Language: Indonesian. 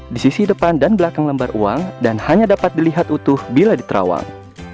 di sisi depan dan belakang lembar uang dan hanya dapat dilihat utuh bila diterawat